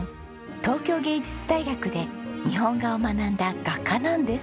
東京藝術大学で日本画を学んだ画家なんです。